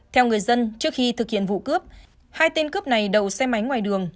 theo người dân trước khi thực hiện vụ cướp hai tên cướp này đầu xe máy ngoài đường